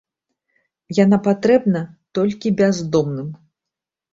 Яна патрэбна толькі бяздомным.